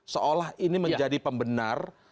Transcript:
seolah ini menjadi pembenar